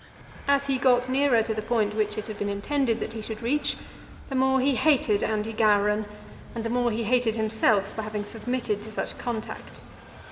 As he got nearer to the point which it had been intended that he should reach, the more he hated Andy Gowran, and the more he hated himself for having submitted to such contact.